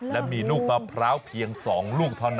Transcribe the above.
และมีลูกมะพร้าวเพียง๒ลูกเท่านั้น